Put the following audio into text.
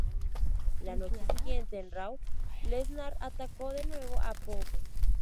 La noche siguiente en "Raw", Lesnar atacó de nuevo a Punk.